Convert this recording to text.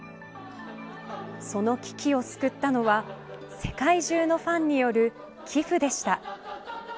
その危機を救ったのは世界中のファンによる寄付でした。